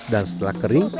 dan setelah kering